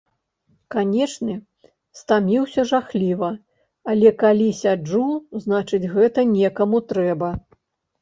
Канечне, стаміўся жахліва, але калі сяджу, значыць, гэта некаму трэба.